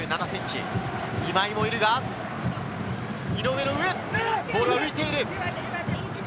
今井もいるが、井上の上、ボールは浮いている。